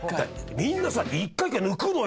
みんなさ一回一回抜くのよ